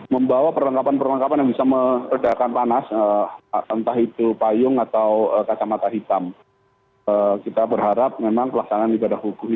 membawa perlengkapan perlengkapan yang bisa membantu mengelola tanah ibadah haji